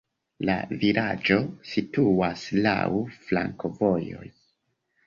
La vilaĝo situas laŭ flankovojoj.